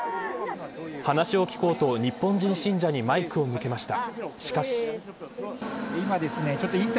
話を聞こうと日本人信者にマイクを向けました。